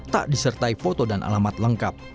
tak disertai foto dan alamat lengkap